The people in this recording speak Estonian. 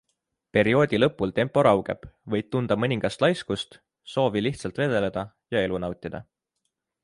Perioodi lõpul tempo raugeb, võid tunda mõningast laiskust, soovi lihtsalt vedeleda ja elu nautida.